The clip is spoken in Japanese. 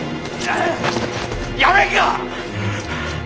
やめんか！